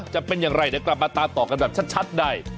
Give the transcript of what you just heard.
จะเป็นอย่างไรกลับมาตาต่อกันได้ชัดใด